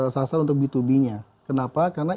sasar untuk b dua b nya kenapa karena